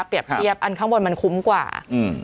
เปรียบเทียบอันข้างบนมันคุ้มกว่าอืม